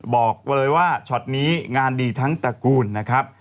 บอกเลยว่าช็อตนี้งานดีทั้งตระกูลนะครับ